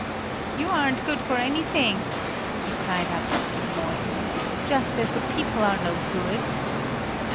"You aren't good for anything!" he cried out into the noise. "Just as the people are no good!"